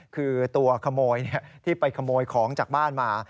คือตัวขโมยที่ไปขโมยของจากบ้านมา